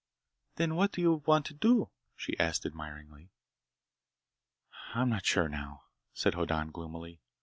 "Then what do you want to do?" she asked admiringly. "I'm not sure now," said Hoddan gloomily.